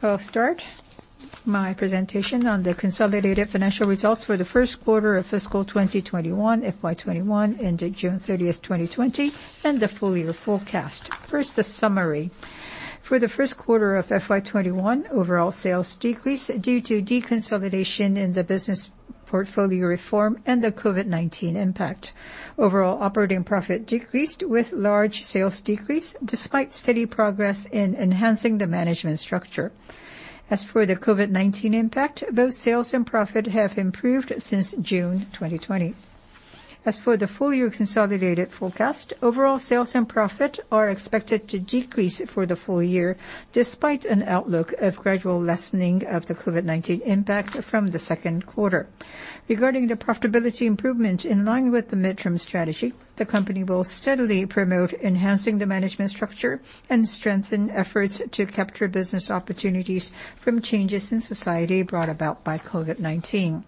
I'll start my presentation on the consolidated financial results for the first quarter of fiscal 2021, FY21, ended June 30, 2020, and the full-year forecast. First, a summary. For the first quarter of FY21, overall sales decreased due to deconsolidation in the business portfolio reform and the COVID-19 impact. Overall operating profit decreased with large sales decrease despite steady progress in enhancing the management structure. As for the COVID-19 impact, both sales and profit have improved since June 2020. As for the full-year consolidated forecast, overall sales and profit are expected to decrease for the full year despite an outlook of gradual lessening of the COVID-19 impact from the second quarter. Regarding the profitability improvement, in line with the midterm strategy, the company will steadily promote enhancing the management structure and strengthen efforts to capture business opportunities from changes in society brought about by COVID-19.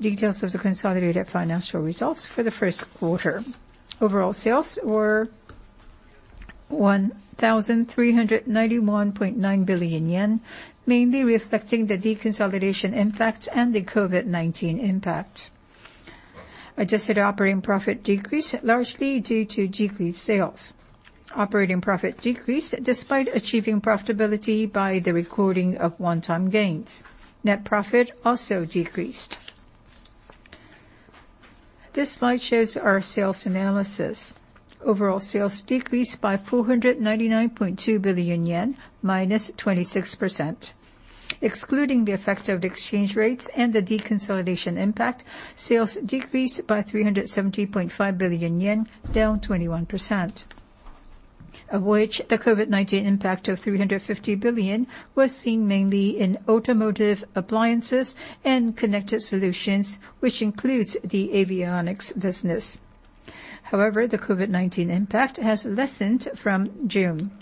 Details of the consolidated financial results for the first quarter. Overall sales were 1,391.9 billion yen, mainly reflecting the deconsolidation impact and the COVID-19 impact. Adjusted operating profit decreased largely due to decreased sales. Operating profit decreased despite achieving profitability by the recording of one-time gains. Net profit also decreased. This slide shows our sales analysis. Overall sales decreased by 499.2 billion yen, minus 26%. Excluding the effect of exchange rates and the deconsolidation impact, sales decreased by 370.5 billion yen, down 21%. Of which, the COVID-19 impact of JPY 350 billion was seen mainly in automotive, appliances, and connected solutions, which includes the avionics business. However, the COVID-19 impact has lessened from June.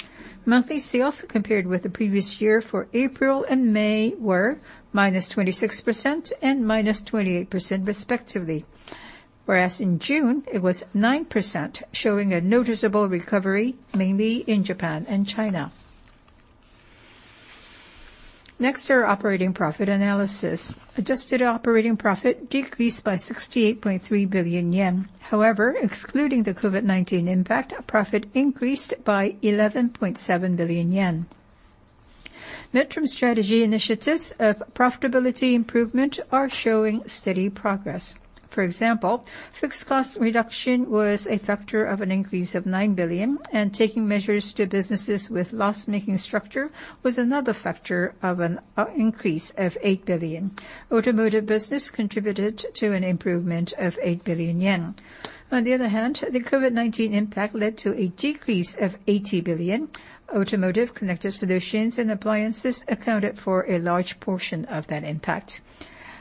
Monthly sales compared with the previous year for April and May were minus 26% and minus 28%, respectively. Whereas in June, it was minus 9%, showing a noticeable recovery mainly in Japan and China. Next are operating profit analysis. Adjusted operating profit decreased by 68.3 billion yen. However, excluding the COVID-19 impact, profit increased by 11.7 billion yen. Midterm strategy initiatives of profitability improvement are showing steady progress. For example, fixed cost reduction was a factor of an increase of 9 billion, and taking measures to businesses with loss-making structure was another factor of an increase of 8 billion. Automotive business contributed to an improvement of 8 billion yen. On the other hand, the COVID-19 impact led to a decrease of 80 billion. Automotive connected solutions and appliances accounted for a large portion of that impact.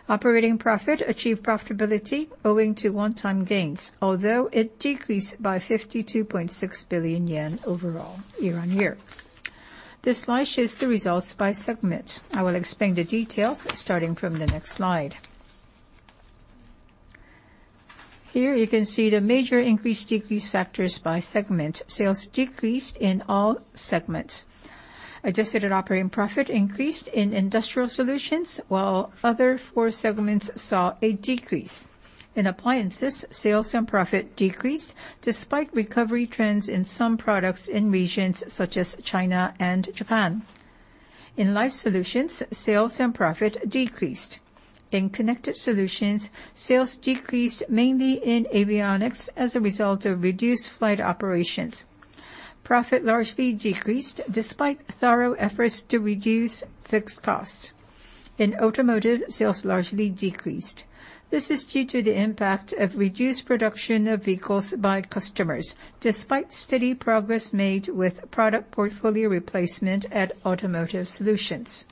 Operating profit achieved profitability owing to one-time gains, although it decreased by 52.6 billion yen overall year on year. This slide shows the results by segment. I will explain the details starting from the next slide. Here you can see the major increase-decrease factors by segment. Sales decreased in all segments. Adjusted operating profit increased in industrial solutions, while the other four segments saw a decrease. In appliances, sales and profit decreased despite recovery trends in some products in regions such as China and Japan. In life solutions, sales and profit decreased. In connected solutions, sales decreased mainly in avionics as a result of reduced flight operations. Profit largely decreased despite thorough efforts to reduce fixed costs. In automotive, sales largely decreased. This is due to the impact of reduced production of vehicles by customers, despite steady progress made with product portfolio replacement at automotive solutions.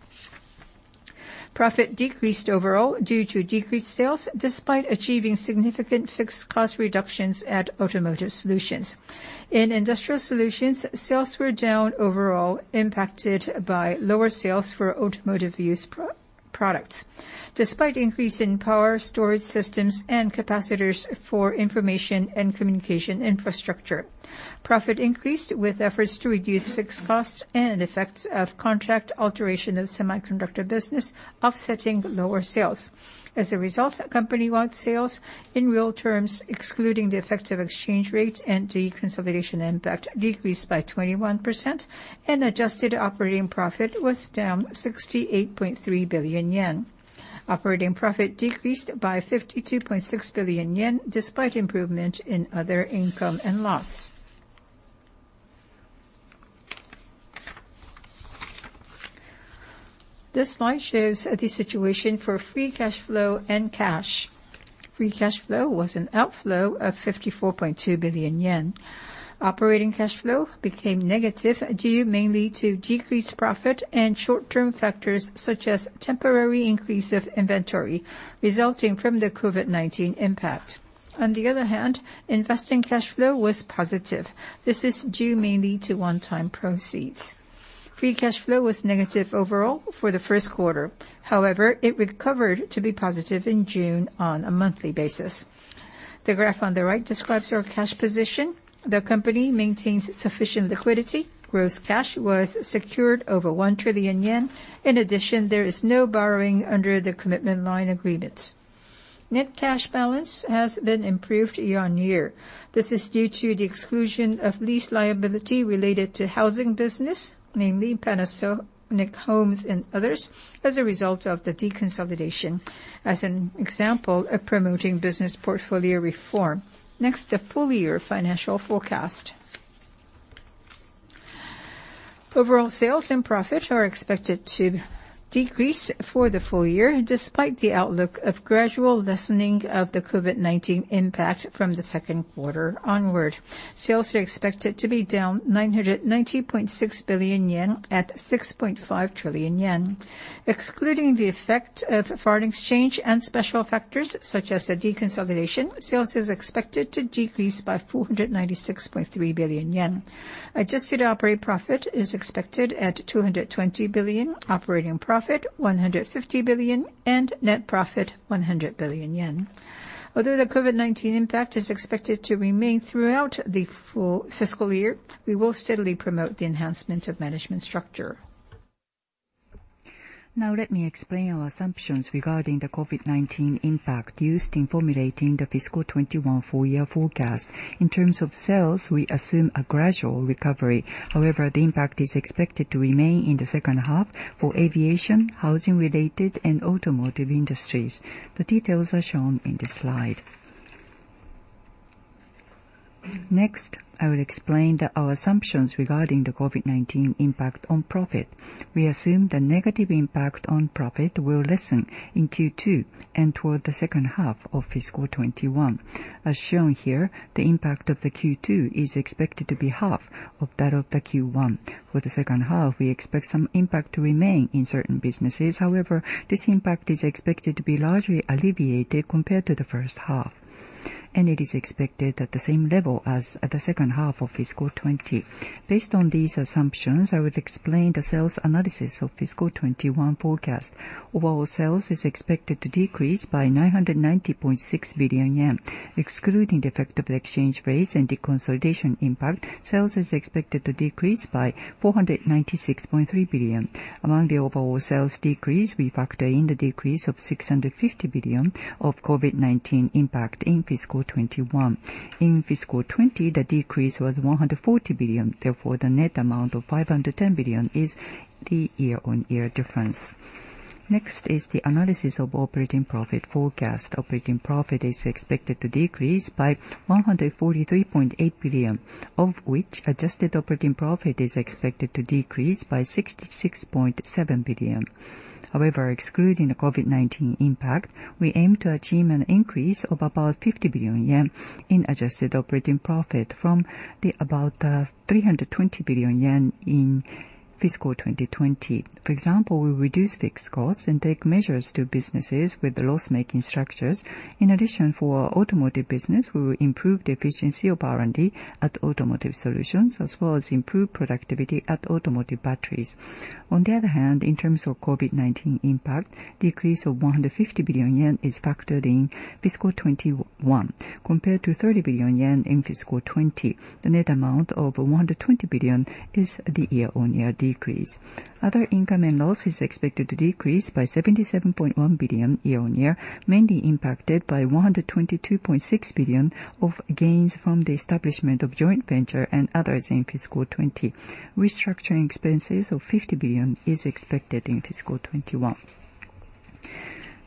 Profit decreased overall due to decreased sales despite achieving significant fixed cost reductions at automotive solutions. In industrial solutions, sales were down overall, impacted by lower sales for automotive use products, despite an increase in power storage systems and capacitors for information and communication infrastructure. Profit increased with efforts to reduce fixed costs and effects of contract alteration of semiconductor business, offsetting lower sales. As a result, company-wide sales in real terms, excluding the effect of exchange rate and deconsolidation impact, decreased by 21%, and adjusted operating profit was down 68.3 billion yen. Operating profit decreased by 52.6 billion yen despite improvement in other income and loss. This slide shows the situation for free cash flow and cash. Free cash flow was an outflow of 54.2 billion yen. Operating cash flow became negative due mainly to decreased profit and short-term factors such as temporary increase of inventory resulting from the COVID-19 impact. On the other hand, investing cash flow was positive. This is due mainly to one-time proceeds. Free cash flow was negative overall for the first quarter. However, it recovered to be positive in June on a monthly basis. The graph on the right describes our cash position. The company maintains sufficient liquidity. Gross cash was secured over 1 trillion yen. In addition, there is no borrowing under the commitment line agreements. Net cash balance has been improved year on year. This is due to the exclusion of lease liability related to housing business, namely Panasonic Homes and others, as a result of the deconsolidation, as an example of promoting business portfolio reform. Next, the full-year financial forecast. Overall sales and profit are expected to decrease for the full year despite the outlook of gradual lessening of the COVID-19 impact from the second quarter onward. Sales are expected to be down 990.6 billion yen at 6.5 trillion yen. Excluding the effect of foreign exchange and special factors such as deconsolidation, sales are expected to decrease by 496.3 billion yen. Adjusted operating profit is expected at 220 billion, operating profit 150 billion, and net profit 100 billion yen. Although the COVID-19 impact is expected to remain throughout the full fiscal year, we will steadily promote the enhancement of management structure. Now let me explain our assumptions regarding the COVID-19 impact used in formulating the fiscal 2021 full-year forecast. In terms of sales, we assume a gradual recovery. However, the impact is expected to remain in the second half for aviation, housing-related, and automotive industries. The details are shown in this slide. Next, I will explain our assumptions regarding the COVID-19 impact on profit. We assume the negative impact on profit will lessen in Q2 and toward the second half of fiscal 2021. As shown here, the impact of Q2 is expected to be half of that of Q1. For the second half, we expect some impact to remain in certain businesses. However, this impact is expected to be largely alleviated compared to the first half, and it is expected at the same level as the second half of fiscal 2020. Based on these assumptions, I will explain the sales analysis of fiscal 2021 forecast. Overall sales are expected to decrease by 990.6 billion yen. Excluding the effect of exchange rates and deconsolidation impact, sales are expected to decrease by 496.3 billion. Among the overall sales decrease, we factor in the decrease of 650 billion of COVID-19 impact in fiscal 2021. In fiscal 2020, the decrease was 140 billion. Therefore, the net amount of 510 billion is the year-on-year difference. Next is the analysis of operating profit forecast. Operating profit is expected to decrease by 143.8 billion, of which adjusted operating profit is expected to decrease by 66.7 billion. However, excluding the COVID-19 impact, we aim to achieve an increase of about 50 billion yen in adjusted operating profit from the about 320 billion yen in fiscal 2020. For example, we reduce fixed costs and take measures to businesses with loss-making structures. In addition, for automotive business, we will improve the efficiency of R&D at automotive solutions, as well as improve productivity at automotive batteries. On the other hand, in terms of COVID-19 impact, a decrease of 150 billion yen is factored in fiscal 2021 compared to 30 billion yen in fiscal 2020. The net amount of 120 billion is the year-on-year decrease. Other income and losses are expected to decrease by 77.1 billion year-on-year, mainly impacted by 122.6 billion of gains from the establishment of joint venture and others in fiscal 2020. Restructuring expenses of 50 billion are expected in fiscal 2021.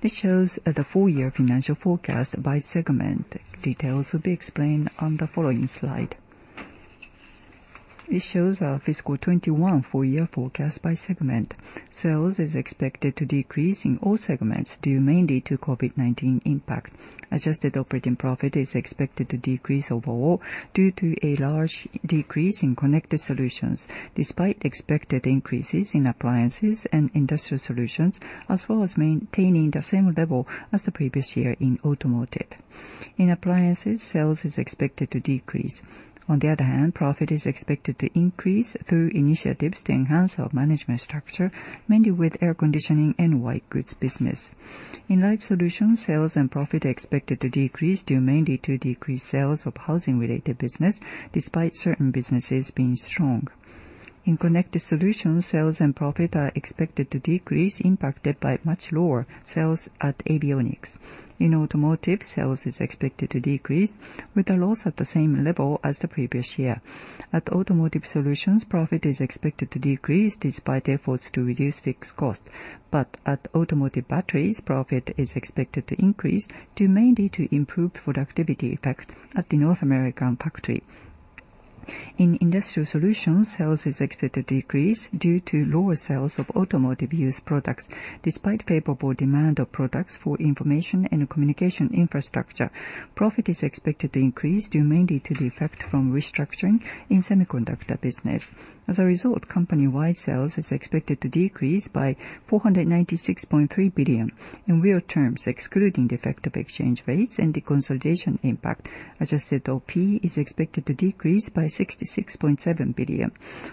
This shows the full-year financial forecast by segment. Details will be explained on the following slide. This shows our fiscal 2021 full-year forecast by segment. Sales are expected to decrease in all segments due mainly to COVID-19 impact. Adjusted operating profit is expected to decrease overall due to a large decrease in connected solutions, despite expected increases in appliances and industrial solutions, as well as maintaining the same level as the previous year in automotive. In appliances, sales are expected to decrease. On the other hand, profit is expected to increase through initiatives to enhance our management structure, mainly with air conditioning and white goods business. In life solutions, sales and profit are expected to decrease due mainly to decreased sales of housing-related business, despite certain businesses being strong. In connected solutions, sales and profit are expected to decrease, impacted by much lower sales at avionics. In automotive, sales are expected to decrease, with the loss at the same level as the previous year. At automotive solutions, profit is expected to decrease despite efforts to reduce fixed costs. At automotive batteries, profit is expected to increase due mainly to improved productivity effect at the North American factory. In industrial solutions, sales are expected to decrease due to lower sales of automotive use products. Despite favorable demand of products for information and communication infrastructure, profit is expected to increase due mainly to the effect from restructuring in semiconductor business. As a result, company-wide sales are expected to decrease by 496.3 billion. In real terms, excluding the effect of exchange rates and deconsolidation impact, adjusted OP is expected to decrease by 66.7 billion.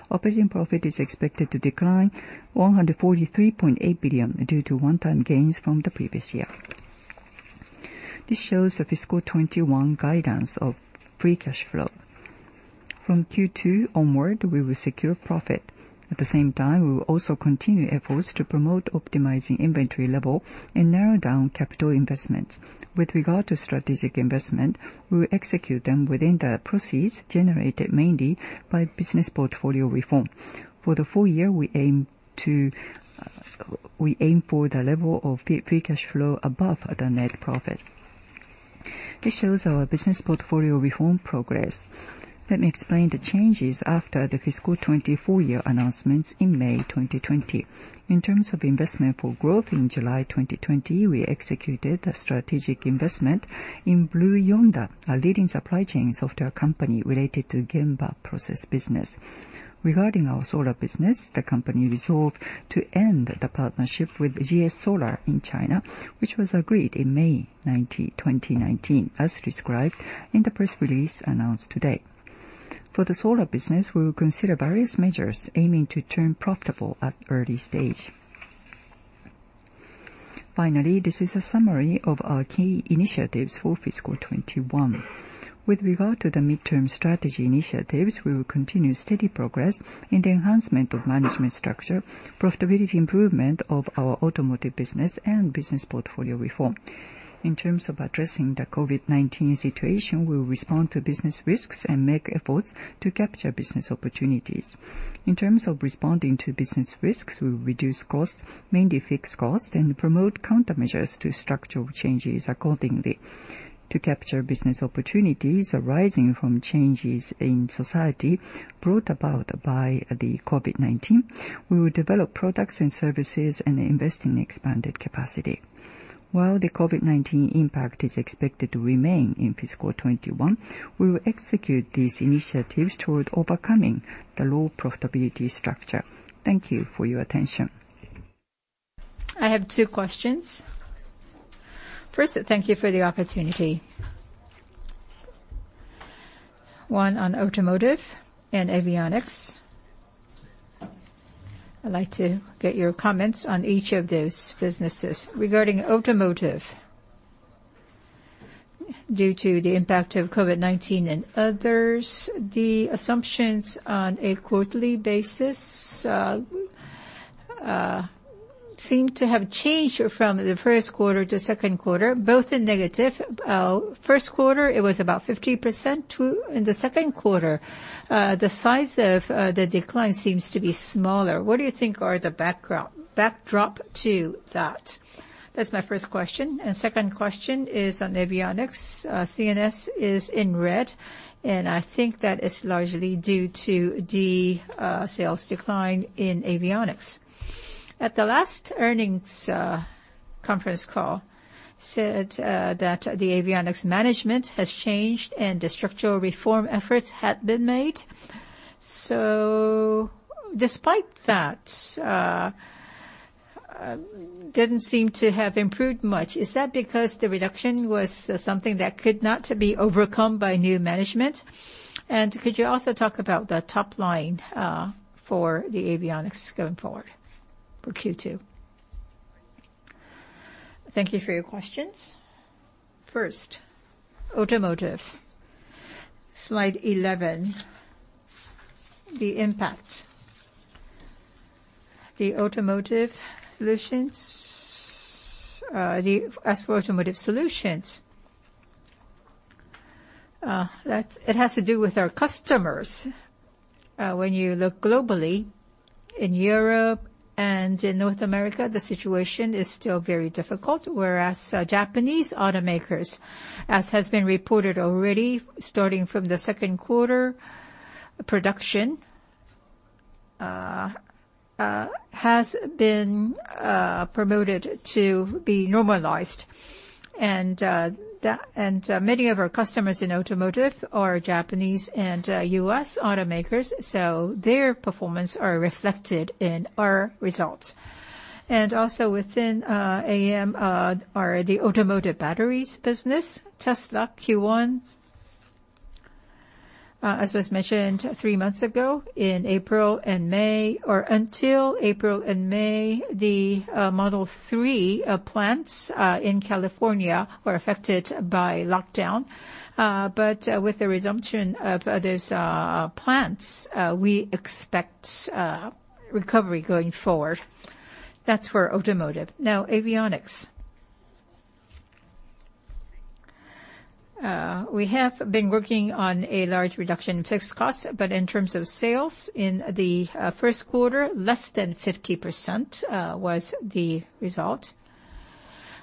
Operating profit is expected to decline 143.8 billion due to one-time gains from the previous year. This shows the fiscal 2021 guidance of free cash flow. From Q2 onward, we will secure profit. At the same time, we will also continue efforts to promote optimizing inventory level and narrow down capital investments. With regard to strategic investment, we will execute them within the proceeds generated mainly by business portfolio reform. For the full year, we aim for the level of free cash flow above the net profit. This shows our business portfolio reform progress. Let me explain the changes after the fiscal 2024-year announcements in May 2020. In terms of investment for growth in July 2020, we executed a strategic investment in Blue Yonder, a leading supply chain software company related to Gemba process business. Regarding our solar business, the company resolved to end the partnership with GS-Solar in China, which was agreed in May 2019, as described in the press release announced today. For the solar business, we will consider various measures aiming to turn profitable at an early stage. Finally, this is a summary of our key initiatives for fiscal 2021. With regard to the midterm strategy initiatives, we will continue steady progress in the enhancement of management structure, profitability improvement of our automotive business, and business portfolio reform. In terms of addressing the COVID-19 situation, we will respond to business risks and make efforts to capture business opportunities. In terms of responding to business risks, we will reduce costs, mainly fixed costs, and promote countermeasures to structure changes accordingly. To capture business opportunities arising from changes in society brought about by the COVID-19, we will develop products and services and invest in expanded capacity. While the COVID-19 impact is expected to remain in fiscal 2021, we will execute these initiatives toward overcoming the low profitability structure. Thank you for your attention. I have two questions. First, thank you for the opportunity. One on automotive and avionics. I'd like to get your comments on each of those businesses. Regarding automotive, due to the impact of COVID-19 and others, the assumptions on a quarterly basis seem to have changed from the first quarter to second quarter, both in negative. First quarter, it was about 50%. In the second quarter, the size of the decline seems to be smaller. What do you think are the backdrop to that? That's my first question. My second question is on avionics. CNS is in red, and I think that is largely due to the sales decline in avionics. At the last earnings conference call, it said that the avionics management has changed and the structural reform efforts had been made. Despite that, it didn't seem to have improved much. Is that because the reduction was something that could not be overcome by new management? Could you also talk about the top line for the avionics going forward for Q2? Thank you for your questions. First, automotive. Slide 11, the impact. The automotive solutions, as for automotive solutions, it has to do with our customers. When you look globally, in Europe and in North America, the situation is still very difficult, whereas Japanese automakers, as has been reported already, starting from the second quarter, production has been promoted to be normalized. Many of our customers in automotive are Japanese and U.S. automakers, so their performance is reflected in our results. Also within AM are the automotive batteries business, Tesla, Q1. As was mentioned three months ago, in April and May, or until April and May, the Model three plants in California were affected by lockdown. With the resumption of those plants, we expect recovery going forward. That is for automotive. Now, avionics. We have been working on a large reduction in fixed costs, but in terms of sales in the first quarter, less than 50% was the result.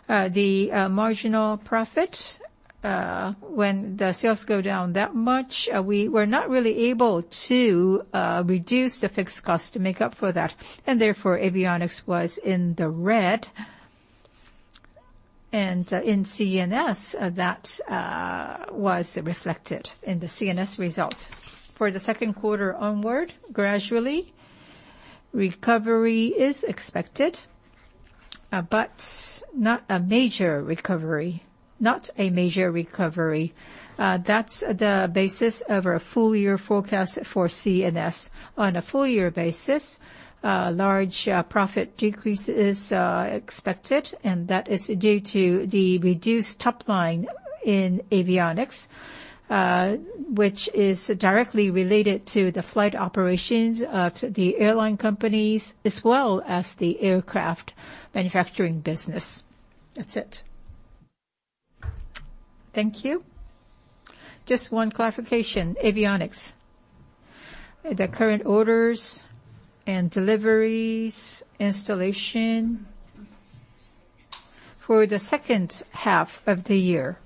The marginal profit, when the sales go down that much, we were not really able to reduce the fixed cost to make up for that. Therefore, avionics was in the red. In CNS, that was reflected in the CNS results. For the second quarter onward, gradually, recovery is expected, but not a major recovery. Not a major recovery. That is the basis of our full-year forecast for CNS. On a full-year basis, large profit decreases are expected, and that is due to the reduced top line in avionics, which is directly related to the flight operations of the airline companies, as well as the aircraft manufacturing business. That's it. Thank you. Just one clarification. Avionics. The current orders and deliveries, installation for the second half of the year.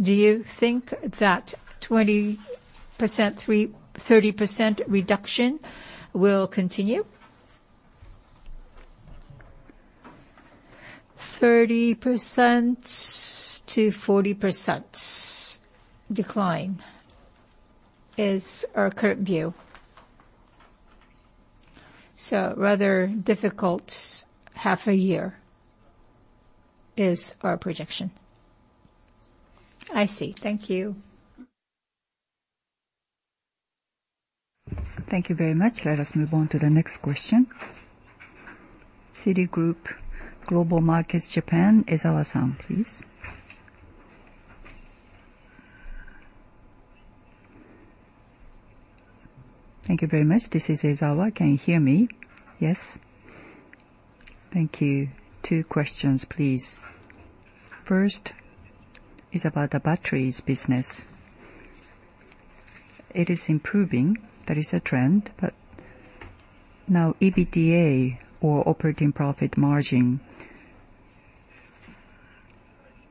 Do you think that 20% to 30% reduction will continue? 30% to 40% decline is our current view. So rather difficult half a year is our projection. I see. Thank you. Thank you very much. Let us move on to the next question. Citigroup Global Markets Japan, Ezawa-san, please. Thank you very much. This is Ezawa. Can you hear me? Yes? Thank you. Two questions, please. First is about the batteries business. It is improving. That is a trend. EBITDA or operating profit margin,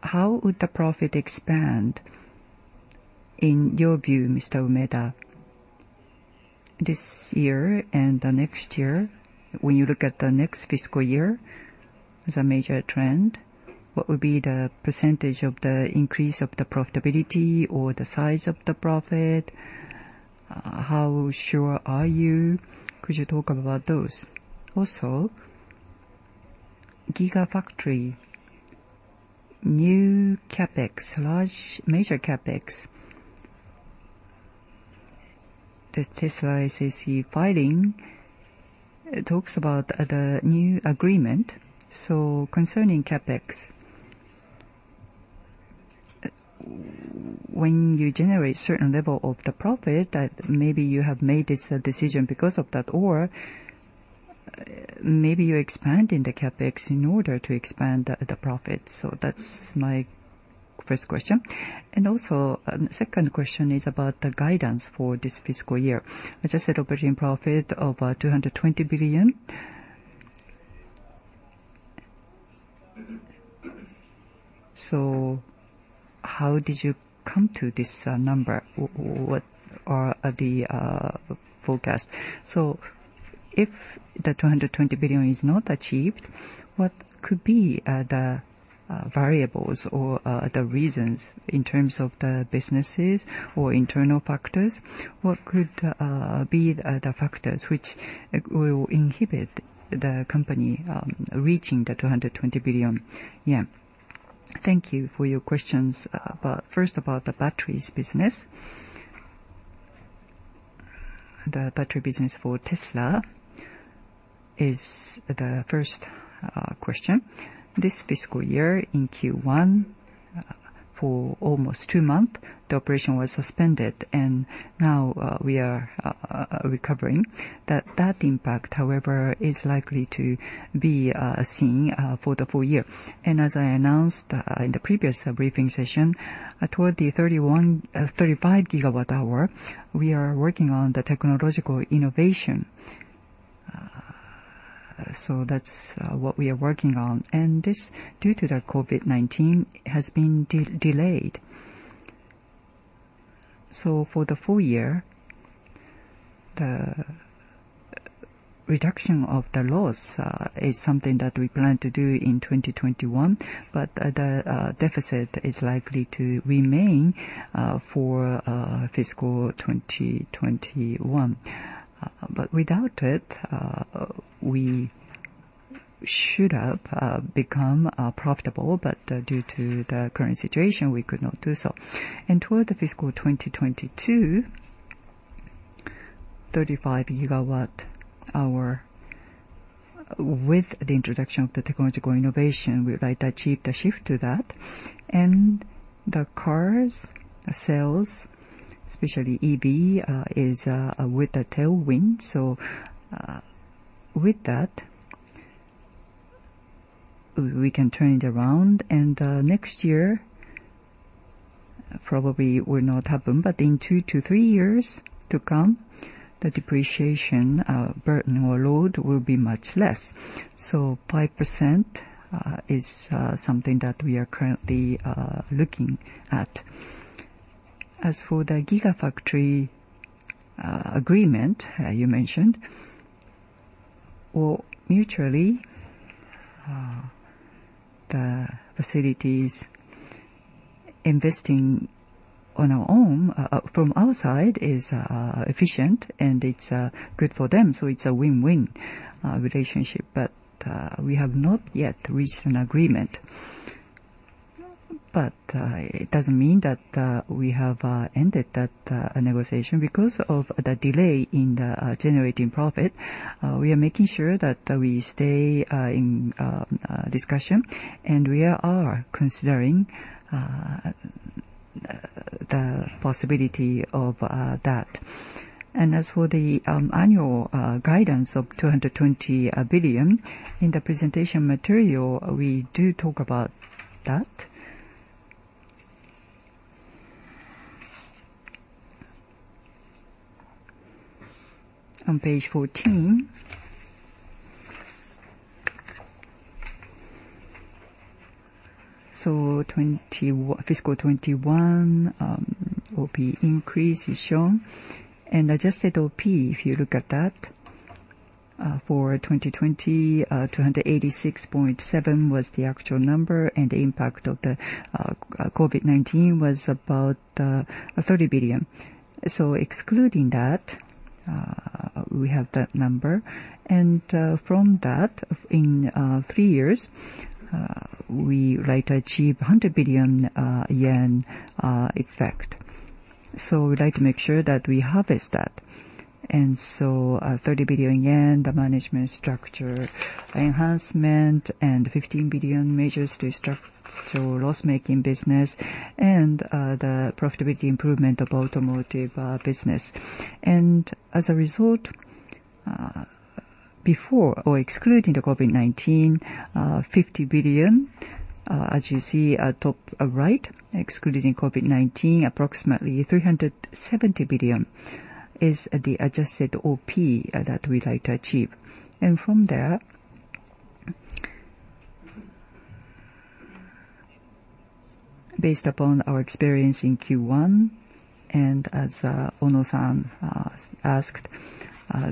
how would the profit expand in your view, Mr. Umeda, this year and the next year? When you look at the next fiscal year as a major trend, what would be the percentage of the increase of the profitability or the size of the profit? How sure are you? Could you talk about those? Also, GigaFactory, new CapEx, large major CapEx. The Tesla SAC filing talks about the new agreement. Concerning CapEx, when you generate a certain level of the profit, that maybe you have made this decision because of that, or maybe you're expanding the CapEx in order to expand the profit. That is my first question. Also, the second question is about the guidance for this fiscal year. As I said, operating profit of 220 billion. How did you come to this number? What are the forecasts? If the 220 billion is not achieved, what could be the variables or the reasons in terms of the businesses or internal factors? What could be the factors which will inhibit the company reaching the 220 billion yen? Thank you for your questions. First, about the batteries business. The battery business for Tesla is the first question. This fiscal year, in Q1, for almost two months, the operation was suspended, and now we are recovering. That impact, however, is likely to be seen for the full year. As I announced in the previous briefing session, toward the 35 gigawatt hour, we are working on the technological innovation. That is what we are working on. This, due to COVID-19, has been delayed. For the full year, the reduction of the loss is something that we plan to do in 2021, but the deficit is likely to remain for fiscal 2021. Without it, we should have become profitable, but due to the current situation, we could not do so. Toward fiscal 2022, 35 gigawatt hour, with the introduction of the technological innovation, we would like to achieve the shift to that. The car sales, especially EV, is with a tailwind. With that, we can turn it around. Next year, probably will not happen, but in two to three years to come, the depreciation burden or load will be much less. 5% is something that we are currently looking at. As for the GigaFactory agreement you mentioned, mutually, the facilities investing on our own from our side is efficient, and it is good for them. It is a win-win relationship, but we have not yet reached an agreement. It does not mean that we have ended that negotiation. Because of the delay in generating profit, we are making sure that we stay in discussion, and we are considering the possibility of that. As for the annual guidance of 220 billion, in the presentation material, we do talk about that. On page 14, fiscal 2021 will be increased, is shown. Adjusted OP, if you look at that, for 2020, 286.7 billion was the actual number, and the impact of COVID-19 was about 30 billion. Excluding that, we have that number. From that, in three years, we would like to achieve 100 billion yen effect. We would like to make sure that we harvest that. Thirty billion yen, the management structure enhancement, and fifteen billion measures to structure loss-making business, and the profitability improvement of automotive business. As a result, before or excluding the COVID-19, fifty billion, as you see top right, excluding COVID-19, approximately 370 billion is the adjusted OP that we'd like to achieve. From there, based upon our experience in Q1, and as Ono-san asked,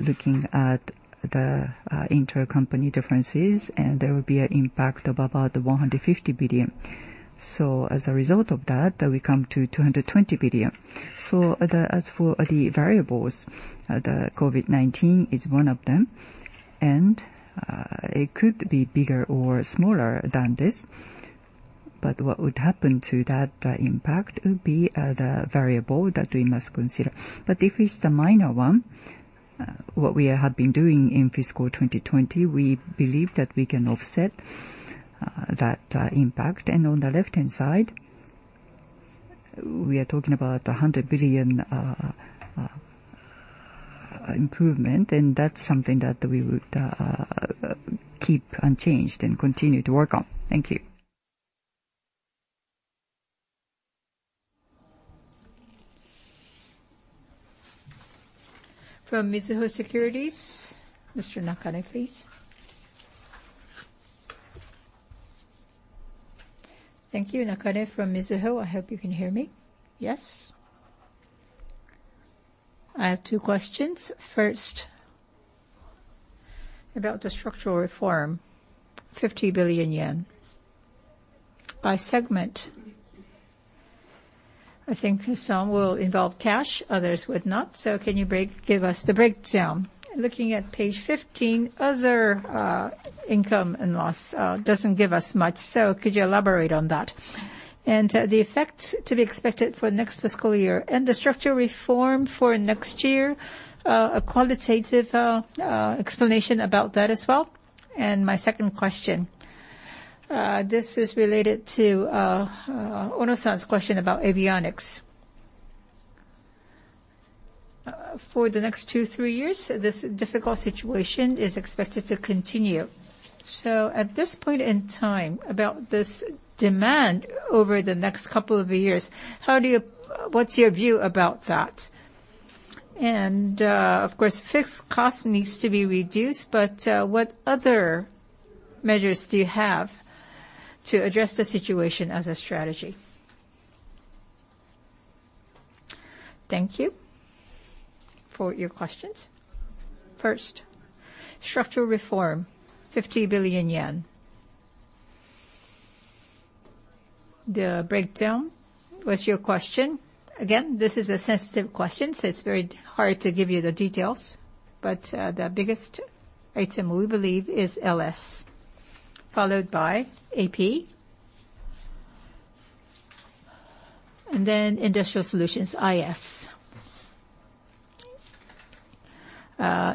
looking at the intercompany differences, there will be an impact of about 150 billion. As a result of that, we come to 220 billion. As for the variables, the COVID-19 is one of them, and it could be bigger or smaller than this. What would happen to that impact would be the variable that we must consider. If it's the minor one, what we have been doing in fiscal 2020, we believe that we can offset that impact. On the left-hand side, we are talking about 100 billion improvement, and that is something that we would keep unchanged and continue to work on. Thank you. From Mizuho Securities, Mr. Nakane, please. Thank you. Nakane from Mizuho, I hope you can hear me. Yes? I have two questions. First, about the structural reform, 50 billion yen. By segment, I think some will involve cash, others would not. Can you give us the breakdown? Looking at page 15, other income and loss does not give us much. Could you elaborate on that? The effects to be expected for the next fiscal year and the structural reform for next year, a qualitative explanation about that as well? My second question, this is related to Ono-san's question about avionics. For the next two to three years, this difficult situation is expected to continue. At this point in time, about this demand over the next couple of years, what's your view about that? Of course, fixed cost needs to be reduced, but what other measures do you have to address the situation as a strategy? Thank you for your questions. First, structural reform, JPY 50 billion. The breakdown was your question. Again, this is a sensitive question, so it's very hard to give you the details. The biggest item we believe is LS, followed by AP, and then Industrial Solutions, IS,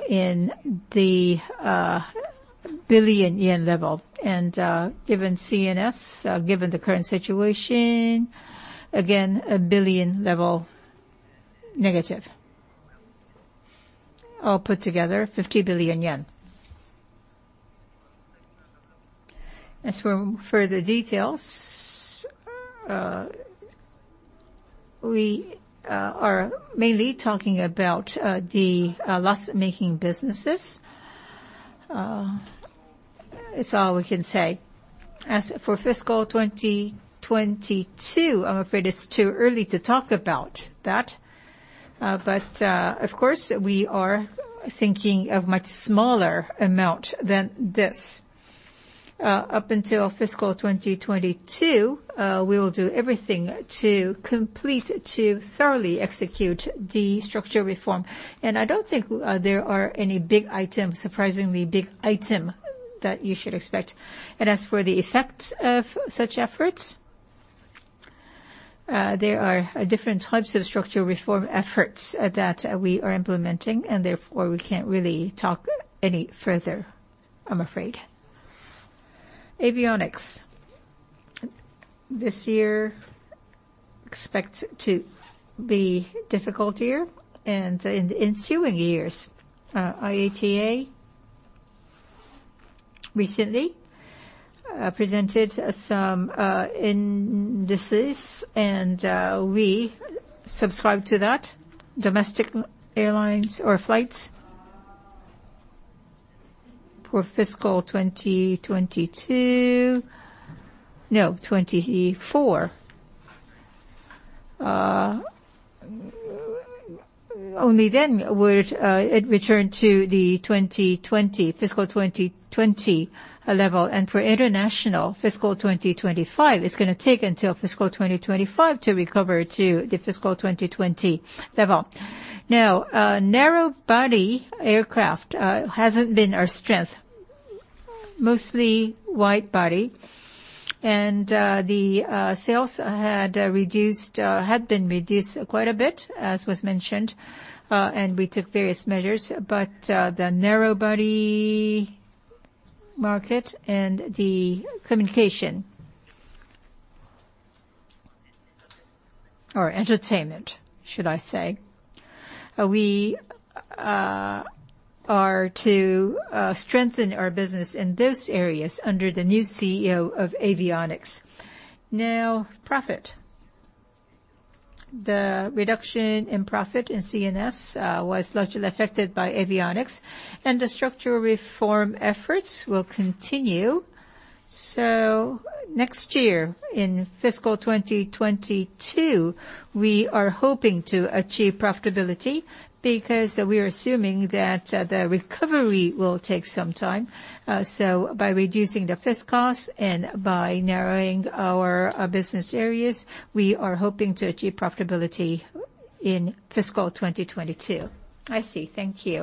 in the billion yen level. Given CNS, given the current situation, again, billion level negative. All put together, JPY 50 billion. As for further details, we are mainly talking about the loss-making businesses. It's all we can say. As for fiscal 2022, I'm afraid it's too early to talk about that. Of course, we are thinking of a much smaller amount than this. Up until fiscal 2022, we will do everything to complete, to thoroughly execute the structural reform. I do not think there are any big items, surprisingly big items, that you should expect. As for the effects of such efforts, there are different types of structural reform efforts that we are implementing, and therefore, we cannot really talk any further, I'm afraid. Avionics, this year, expect to be a difficult year. In ensuing years, IATA recently presented some indices, and we subscribed to that, domestic airlines or flights. For fiscal 2022, no, 2024, only then would it return to the fiscal 2020 level. For international, fiscal 2025, it is going to take until fiscal 2025 to recover to the fiscal 2020 level. Now, narrow-body aircraft has not been our strength, mostly wide-body. The sales had been reduced quite a bit, as was mentioned, and we took various measures. The narrow-body market and the communication, or entertainment, should I say, we are to strengthen our business in those areas under the new CEO of avionics. Now, profit. The reduction in profit in CNS was largely affected by avionics, and the structural reform efforts will continue. Next year, in fiscal 2022, we are hoping to achieve profitability because we are assuming that the recovery will take some time. By reducing the fiscal costs and by narrowing our business areas, we are hoping to achieve profitability in fiscal 2022. I see. Thank you.